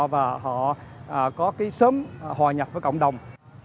và họ có cái sớm hòa nhập với cộng đồng